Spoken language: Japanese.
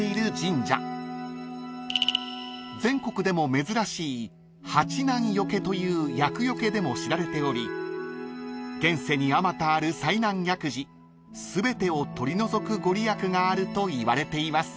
［全国でも珍しい八難除という厄除けでも知られており現世にあまたある災難厄事全てを取り除く御利益があるといわれています］